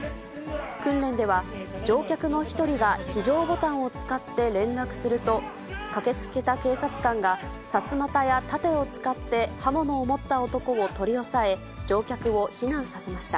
訓練では、乗客の１人が非常ボタンを使って連絡すると、駆けつけた警察官がさすまたや盾を使って、刃物を持った男を取り押さえ、乗客を避難させました。